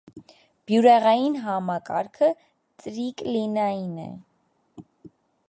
Բյուրեղային համակարգը տրիկլինային է։